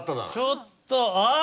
ちょっとあっ。